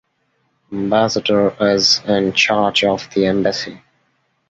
Ambassador is in charge of the Embassy.